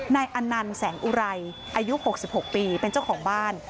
อันนั้นแสงอุไรอายุ๖๖ปีเป็นเจ้าของบ้าน